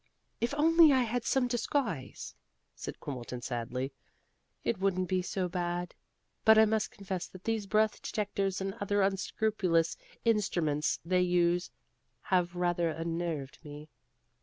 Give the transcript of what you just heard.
"If only I had some disguise," said Quimbleton sadly, "it wouldn't be so bad. But I must confess that these breath detectors and other unscrupulous instruments they use have rather unnerved me."